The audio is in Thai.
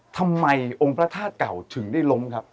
ทำไมองค์พระธาตุเก่าถึงได้ล้มครับ